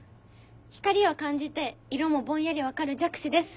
光は感じて色もぼんやり分かる弱視です。